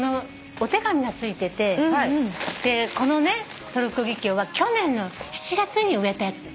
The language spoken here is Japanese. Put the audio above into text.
お手紙がついててこのトルコギキョウは去年の７月に植えたやつだって。